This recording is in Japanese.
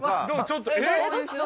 でもちょっとえっ！？